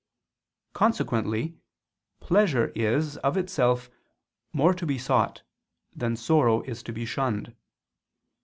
Consequently pleasure is, of itself, more to be sought than sorrow is to be shunned.